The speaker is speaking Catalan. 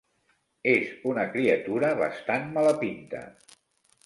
És una criatura bastant mala pinta.